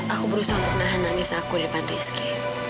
aku berusaha untuk nahan nangis aku di depan rizky